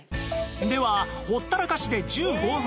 ではほったらかしで１５分